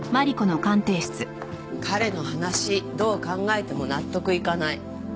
彼の話どう考えても納得いかない。